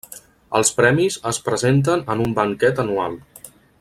Els premis es presenten en un banquet anual.